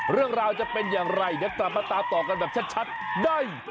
เรื่องราวจะเป็นอย่างไรเดี๋ยวกลับมาตามต่อกันแบบชัดได้